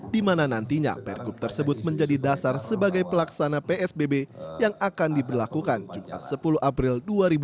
di mana nantinya pergub tersebut menjadi dasar sebagai pelaksana psbb yang akan diberlakukan jumat sepuluh april dua ribu dua puluh